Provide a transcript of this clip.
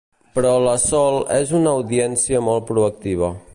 Però la Sol és una audiència molt proactiva.